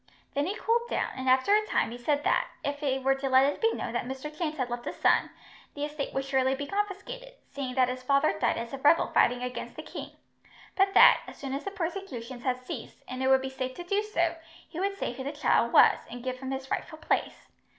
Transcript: Then he cooled down, and after a time he said that, if he were to let it be known that Mr. James had left a son, the estate would surely be confiscated, seeing that his father died as a rebel fighting against the king; but that, as soon as the persecutions had ceased, and it would be safe to do so, he would say who the child was, and give him his rightful place.